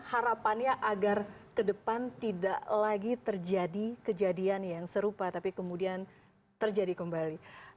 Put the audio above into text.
harapannya agar ke depan tidak lagi terjadi kejadian yang serupa tapi kemudian terjadi kembali